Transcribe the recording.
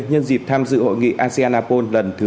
nhân dịp tham dự hội nghị asean napon lần thứ ba mươi chín